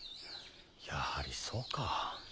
やはりそうか。